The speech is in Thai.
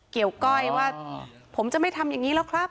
ก้อยว่าผมจะไม่ทำอย่างนี้แล้วครับ